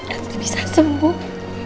aku bisa sembuh